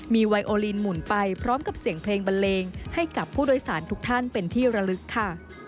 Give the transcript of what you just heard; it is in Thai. มีไวโอลีนหมุนไปพร้อมกับเสียงเพลงบันเลงให้กับผู้โดยสารทุกท่านเป็นที่ระลึกค่ะ